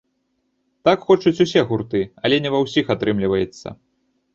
Так хочуць усе гурты, але не ва ўсіх атрымліваецца.